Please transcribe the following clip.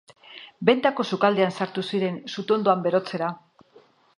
Bentako sukaldean sartu ziren sutondoan berotzera.